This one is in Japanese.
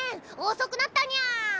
遅くなったニャ。